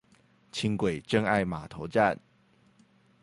輕軌真愛碼頭站